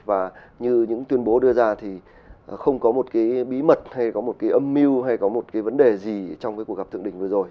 và như những tuyên bố đưa ra thì không có một cái bí mật hay có một cái âm mưu hay có một cái vấn đề gì trong cái cuộc gặp thượng đỉnh vừa rồi